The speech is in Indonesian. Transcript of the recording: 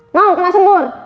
mau kena sembur